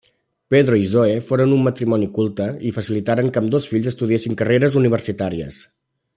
Pedro i Zoe foren un matrimoni culte i facilitaren que ambdós fills estudiessin carreres universitàries.